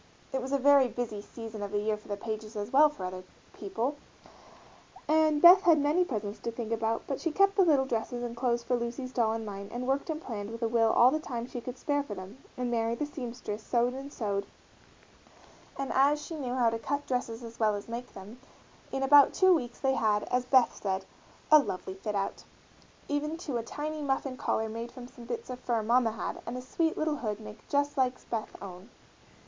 It was a very busy season of the year for the Pages as well as for other people, and Beth had many presents to think about, but she kept the little dresses and clothes for Lucy's doll in mind and worked and planned with a will all the time she could spare for them, and Mary, the seamstress, sewed and sewed, and as she knew how to cut dresses as well as make them, in about two weeks they had, as Beth said, "a lovely fit out," even to a tiny muff and collar made from some bits of fur mamma had and a sweet little hood made just like Beth's own.